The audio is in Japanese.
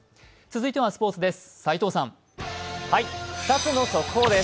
続いてはスポーツです。